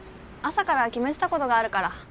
朝から決めてたことがあるから。